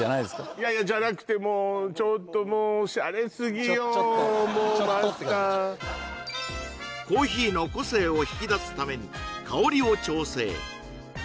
いやいやじゃなくてもうちょっともうもうマスターコーヒーの個性を引き出すために香りを調整